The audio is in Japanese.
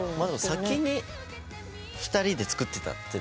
先に２人で作ってた。